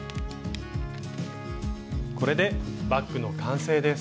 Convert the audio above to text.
これでバッグの完成です。